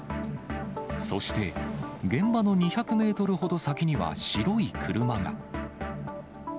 そして、現場の２００メートルほど先には白い車が。